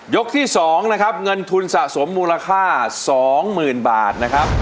ที่๒นะครับเงินทุนสะสมมูลค่า๒๐๐๐บาทนะครับ